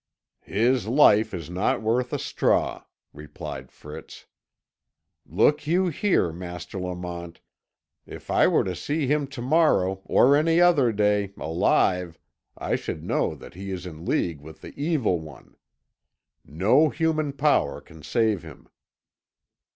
"His life is not worth a straw," replied Fritz. "Look you here, Master Lamont. If I were to see him tomorrow, or any other day, alive, I should know that he is in league with the Evil One. No human power can save him."